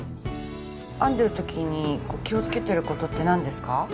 編んでる時に気をつけてる事ってなんですか？